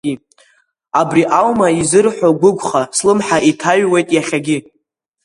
Абри аума изырҳәо гәықәха слымҳа иҭаҩуеит иахьагьы…